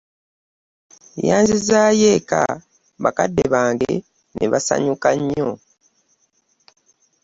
Yanzizaayo eka bakadde bange ne basanyuka nnyo.